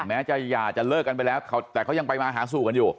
แม้จะหย่าจะเลิกกันไปแล้วแต่เขายังไปมาหาสู่กันอยู่